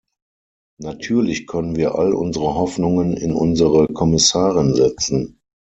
Natürlich können wir all unsere Hoffnungen in unsere Kommissarin setzen.